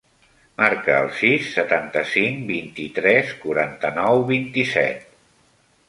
Marca el sis, setanta-cinc, vint-i-tres, quaranta-nou, vint-i-set.